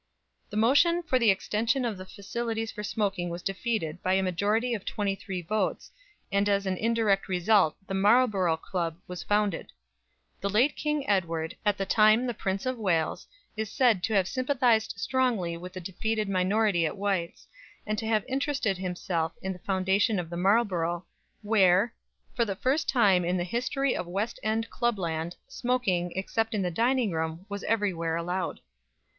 '" The motion for the extension of the facilities for smoking was defeated by a majority of twenty three votes, and as an indirect result the Marlborough Club was founded. The late King Edward, at that time Prince of Wales, is said to have sympathized strongly with the defeated minority at White's, and to have interested himself in the foundation of the Marlborough; where, "for the first time in the history of West End Clubland, smoking, except in the dining room, was everywhere allowed."